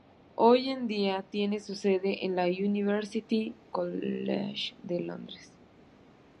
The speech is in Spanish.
Hoy en día tiene su sede en la University College de Londres.